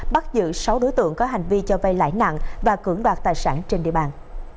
bắt giữ sáu đối tượng có hành vi cho vay lãi nặng và cưỡng đoạt tài sản trên địa bàn